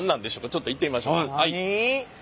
ちょっと行ってみましょう。